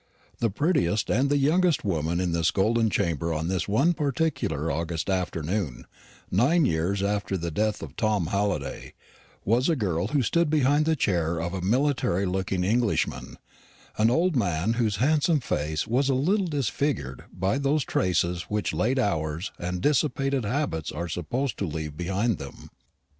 The prettiest and the youngest woman in this golden chamber on one particular August afternoon, nine years after the death of Tom Halliday, was a girl who stood behind the chair of a military looking Englishman, an old man whose handsome face was a little disfigured by those traces which late hours and dissipated habits are supposed to leave behind them.